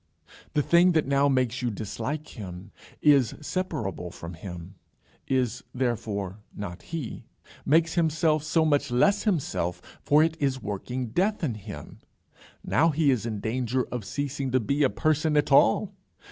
The thing that now makes you dislike him is separable from him, is therefore not he, makes himself so much less himself, for it is working death in him. Now he is in danger of ceasing to be a person at all.